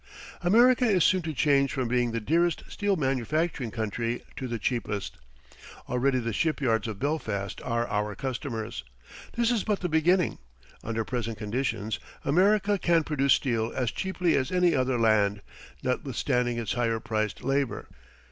America is soon to change from being the dearest steel manufacturing country to the cheapest. Already the shipyards of Belfast are our customers. This is but the beginning. Under present conditions America can produce steel as cheaply as any other land, notwithstanding its higher priced labor.